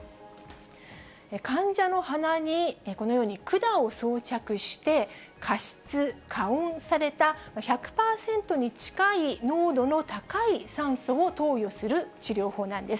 患者の鼻に、このように管を装着して、加湿、加温された１００％に近い濃度の高い酸素を投与する治療法なんです。